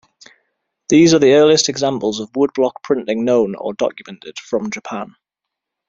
These are the earliest examples of woodblock printing known, or documented, from Japan.